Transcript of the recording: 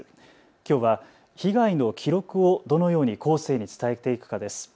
きょうは被害の記録をどのように後世に伝えていくかです。